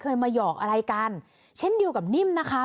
มาหยอกอะไรกันเช่นเดียวกับนิ่มนะคะ